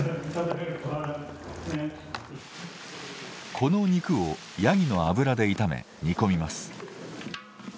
この肉をヤギの脂で炒め煮込みます。